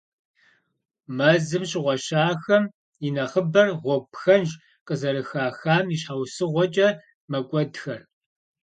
Мэзым щыгъуэщахэм и нэхъыбэр гъуэгу пхэнж къызэрыхахам и щхьэусыгъуэкӏэ мэкӏуэдхэр.